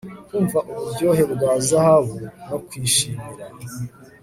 Kumva uburyohe bwa zahabu no kwishimira